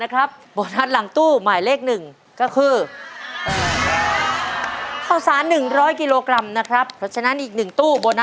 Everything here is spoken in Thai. ๕พันบาทนะครับ